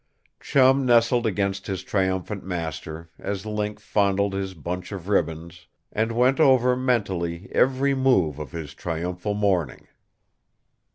Chum nestled against his triumphant master, as Link fondled his bunch of ribbons and went over, mentally, every move of his triumphal morning.